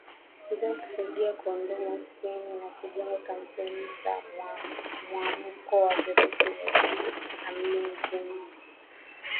zao kusaidia kuondoa umaskini na kujenga kampeni za mwamko wa Virusi Vya Ukimwi Amezitembelea